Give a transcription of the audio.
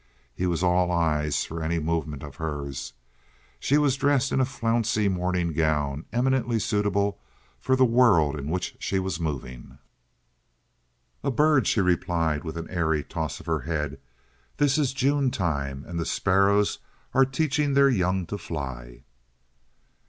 He was all eyes for any movement of hers. She was dressed in a flouncy morning gown eminently suitable for the world in which she was moving. "A bird," she replied, with an airy toss of her head. "This is June time, and the sparrows are teaching their young to fly."